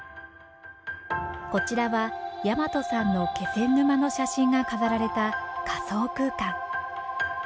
こちらは大和さんの気仙沼の写真が飾られた仮想空間。